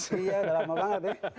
iya udah lama banget deh